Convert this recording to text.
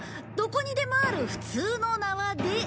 どこにでもある普通のなわで。